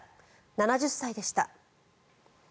７０歳でした。